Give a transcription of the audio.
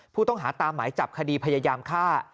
ผู้ต้องหาตามหมายจับคดีพยายามฆ่า